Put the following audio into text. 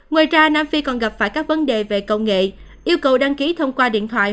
ngoài ra nam phi còn gặp phải các vấn đề về công nghệ yêu cầu đăng ký thông qua điện thoại